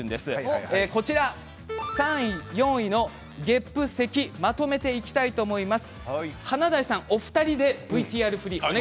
３、４位のげっぷとせきまとめていきたいと思います。